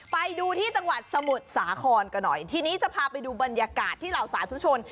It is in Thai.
ไปดูที่จังหวัดสมุทรสาครกันหน่อยทีนี้จะพาไปดูบรรยากาศที่เหล่าสาธุชน